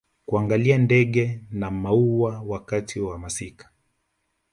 kuangalia ndege na maua wakati wa masika